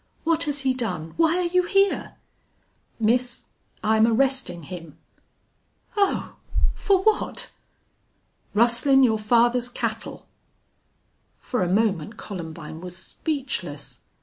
What has he done? Why are you here?" "Miss, I'm arrestin' him." "Oh!... For what?" "Rustlin' your father's cattle." For a moment Columbine was speechless.